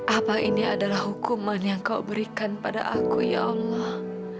apa ini adalah hukuman yang kau berikan pada aku ya allah